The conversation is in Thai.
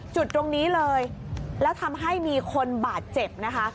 จุดตรงนี้เลยแล้วทำให้มีคนบาดเจ็บนะคะ